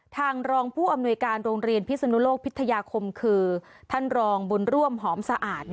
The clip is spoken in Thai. ทางรองผู้อำนวยการโรงเรียนพิศนุโลกพิทยาคมคือท่านรองบุญร่วมหอมสะอาด